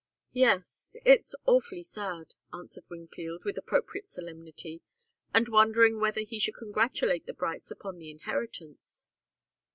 "Yes it's awfully sad," answered Wingfield, with appropriate solemnity, and wondering whether he should congratulate the Brights upon the inheritance.